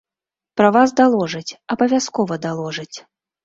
Пра вас даложаць, абавязкова даложаць.